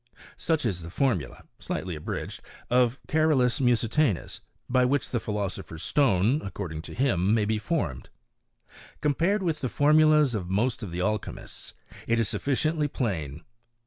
* Such is the formula (slightly abridged) of Carolus Musitanus, by which the philosopher's stone, according to him, may be formed. Compared with the formulas of most of the alchymists, it is sufficiently plain.